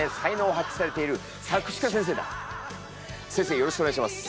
よろしくお願いします。